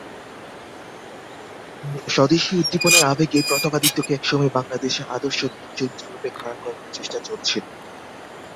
স্বদেশী উদ্দীপনার আবেগে প্রতাপাদিত্যকে একসময়ে বাংলাদেশের আদর্শ বীরচরিত্ররূপে খাড়া করবার চেষ্টা চলেছিল।